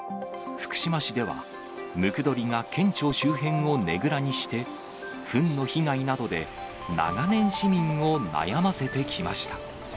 福島市では、ムクドリが県庁周辺をねぐらにして、ふんの被害などで長年、市民を悩ませてきました。